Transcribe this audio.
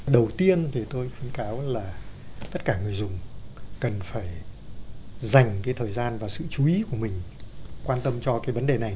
đầu tiên thì tôi khuyến cáo là tất cả người dùng cần phải dành cái thời gian và sự chú ý của mình quan tâm cho cái vấn đề này